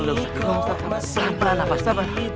pelan pelan nafas sabar